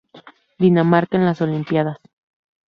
Dinamarca en las Olimpíadas